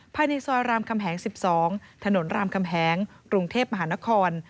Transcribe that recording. ภายในซอยรามคำแหง๑๒ถนนรามคำแหงกรุงเทพมหานคร